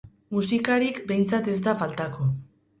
Musikarik behintzat ez da faltako.